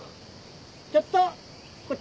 ちょっとこっち来い。